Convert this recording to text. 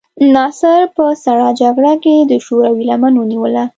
ناصر په سړه جګړه کې د شوروي لمن ونیوله.